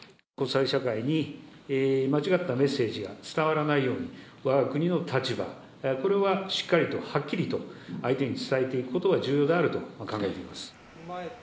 国際社会に間違ったメッセージが伝わらないようにわが国の立場、これはしっかりとはっきりと、相手に伝えていくことが重要であると考えています。